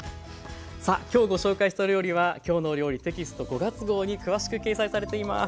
さあきょうご紹介した料理は「きょうの料理」テキスト５月号に詳しく掲載されています。